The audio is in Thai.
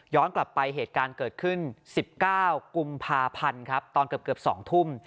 กลับไปเหตุการณ์เกิดขึ้น๑๙กุมภาพันธ์ครับตอนเกือบ๒ทุ่ม